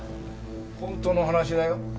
本当の話だよ。